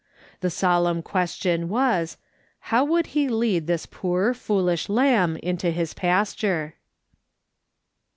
The solemn question was : How would he lead this poor foolish lamb into his pasture